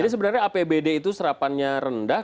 jadi sebenarnya apbd itu serapannya rendah